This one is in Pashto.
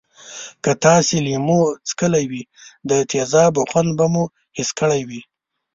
که تاسې لیمو څکلی وي د تیزابو خوند به مو حس کړی وی.